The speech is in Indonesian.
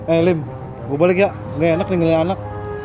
eh lem gue balik ya gak enak tinggalin anak